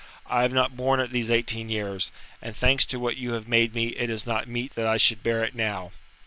"I have not borne it these eighteen years, and thanks to what you have made me, it is not meet that I should bear it now."